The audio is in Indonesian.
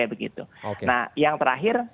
begitu nah yang terakhir